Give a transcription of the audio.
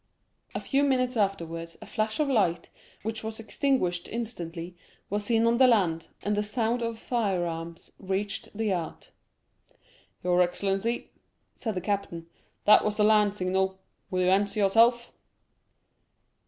A few minutes afterwards a flash of light, which was extinguished instantly, was seen on the land, and the sound of firearms reached the yacht. "Your excellency," said the captain, "that was the land signal, will you answer yourself?"